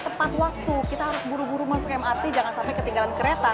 tepat waktu kita harus buru buru masuk mrt jangan sampai ketinggalan kereta